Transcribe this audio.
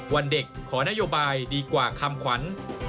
วันเด็กขอนโยบายดีกว่าคำขวัญ